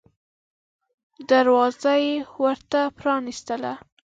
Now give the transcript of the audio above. دروازه یې ورته پرانیستله.